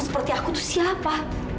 seperti aku tuh siapa